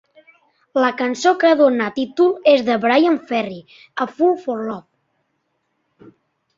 La cançó que dóna títol és de Bryan Ferry: "A Fool for Love".